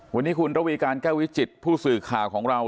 วันนี้คุณระวีการแก้ววิจิตผู้สื่อข่าวของเรา